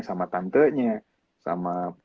sama tantenya sama